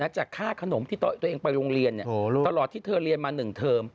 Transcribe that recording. จากค่าขนมที่ตัวเองไปโรงเรียนตลอดที่เธอเรียนมา๑เทอม